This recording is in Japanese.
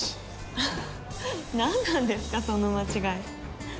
ふふっ何なんですかその間違い。